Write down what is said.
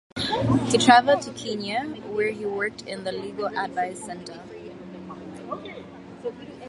He travelled to Kenya where he worked in the Legal Advice Center.